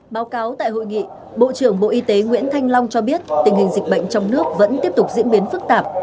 báo cáo tại hội nghị bộ trưởng bộ y tế nguyễn thanh long cho biết tình hình dịch bệnh trong nước vẫn tiếp tục diễn biến phức tạp